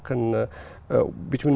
và quân đội việt